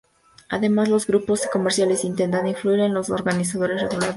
Además, los grupos comerciales intentan influir en las de los organismos reguladores.